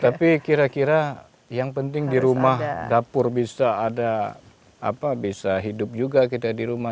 tapi kira kira yang penting di rumah dapur bisa ada apa bisa hidup juga kita di rumah